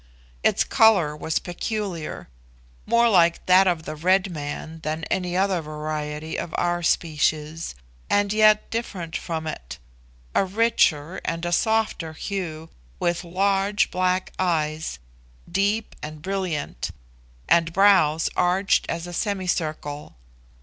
Its colour was peculiar, more like that of the red man than any other variety of our species, and yet different from it a richer and a softer hue, with large black eyes, deep and brilliant, and brows arched as a semicircle.